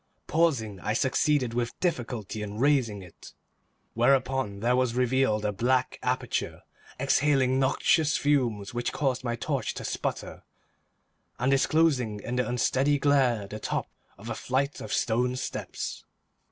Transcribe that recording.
Pausing, I succeeded with difficulty in raising it, whereupon there was revealed a black aperture, exhaling noxious fumes which caused my torch to sputter, and disclosing in the unsteady glare the top of a flight of stone steps.